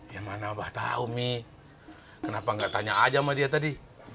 ya mana mbak tahu mi kenapa nggak tanya aja sama dia tadi